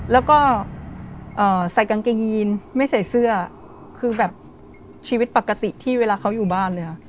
แล้วก็ใส่กางเกงยีนไม่ใส่เสื้อคือแบบชีวิตปกติที่เวลาเขาอยู่บ้านเลยค่ะ